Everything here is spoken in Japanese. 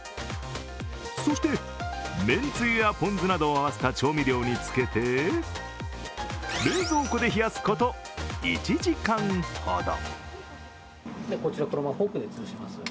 そして、めんつゆやポン酢などを合わせてた調味料につけて冷蔵庫で冷やすこと、１時間ほど。